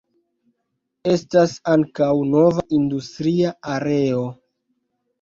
Estas ankaŭ nova industria areo.